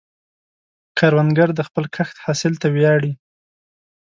کروندګر د خپل کښت حاصل ته ویاړي